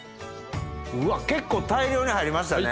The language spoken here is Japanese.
うわ結構大量に入りましたね。